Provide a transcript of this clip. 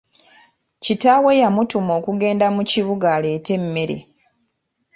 Kitaawe yamutuma okugenda mu kibuga aleete emmere.